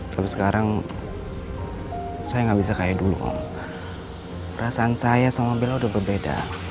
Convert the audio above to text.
kalau sekarang saya nggak bisa kayak dulu om perasaan saya sama bella udah berbeda